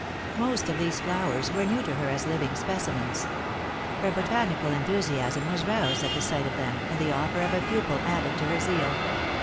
Most of these flowers were new to her as living speci mens. Her botanical enthusiasm was roused at the sight of them, and the offer of a pupil added to her zeal.